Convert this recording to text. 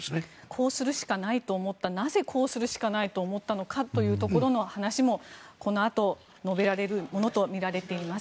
こうするしかないと思ったなぜこうするしかないと思ったのかその辺りの話もこのあと述べられるものとみられています。